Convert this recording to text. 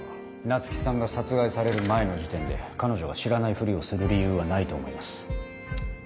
菜月さんが殺害される前の時点で彼女が知らないふりをする理由はないと思います。